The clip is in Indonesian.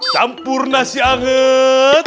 campur nasi anget